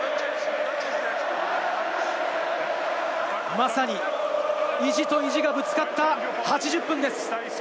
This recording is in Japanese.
まさに意地と意地がぶつかった８０分です。